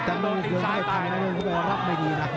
แต่มันยังไม่ได้ทางนะครับ